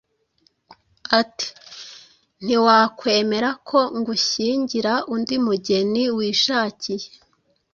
ati «ntiwakwemera ko ngushyingira undi mugeni wishakiye